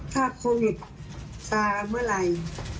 ถ้าโควิดซาเมื่อไหร่